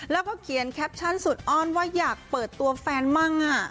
แล้วก็เขียนแคปชั่นสุดอ้อนว่าอยากเปิดตัวแฟนมั่ง